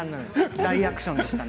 大アクションでしたね。